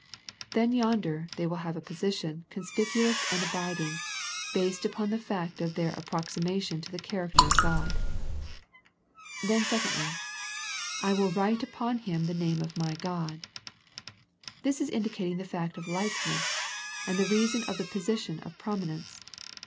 Then yonder they will have a position con spicuous and abiding, based upon the fact of their approximation to the character of God. Then secondly, " I will write upon him the name of My God," this indicating the fact of 176 A First Century Message likeness, and the reason of the position of prominence.